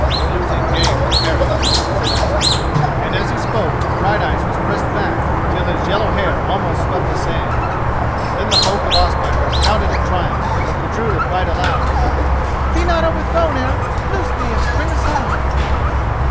"A losing game for Eric," said Asmund, and as he spoke Brighteyes was pressed back till his yellow hair almost swept the sand. Then the folk of Ospakar shouted in triumph, but Gudruda cried aloud: "Be not overthrown, Eric; loose thee and spring aside."